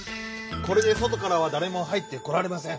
これでそとからはだれも入ってこられません。